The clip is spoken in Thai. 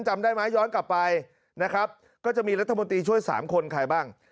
จำได้ไหมย้อนกลับไปนะครับก็จะมีรัฐมนตรีช่วย๓คนใครบ้าง